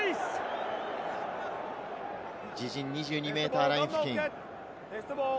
自陣２２ｍライン付近。